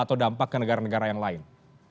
atau dampak ke negara negara yang lain